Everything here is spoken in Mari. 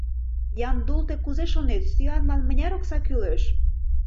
Яндул, тый кузе шонет: сӱанлан мыняр окса кӱлеш?